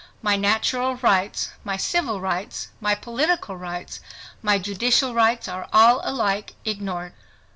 My natural rights, my civil rights, my political rights, my judicial rights, are all alike ignored.